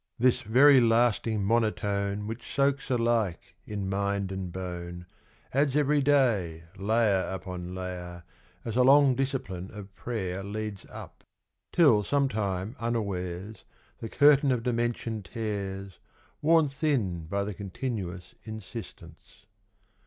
This very lasting monotone Which soaks alike in mind and bone Adds every day layer upon layer As a long discipline of prayer Leads up ; till some time unawares The curtain of dimension tears, Worn thin by the continuous Insistence.